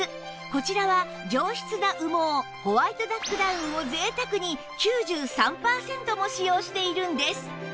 こちらは上質な羽毛ホワイトダックダウンを贅沢に９３パーセントも使用しているんです